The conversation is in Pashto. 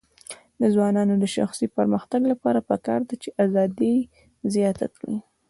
د ځوانانو د شخصي پرمختګ لپاره پکار ده چې ازادي زیاته کړي.